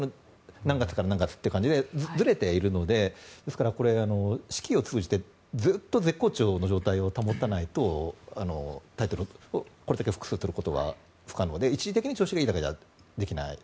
何月から何月って感じでずれているのでですから、四季を通じてずっと絶好調の状態を保たないとタイトルをこれだけ複数取ることは不可能で一時的に調子がいいだけではできない。